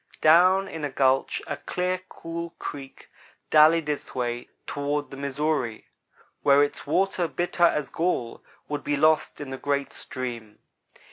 Down in a gulch a clear, cool creek dallied its way toward the Missouri, where its water, bitter as gall, would be lost in the great stream.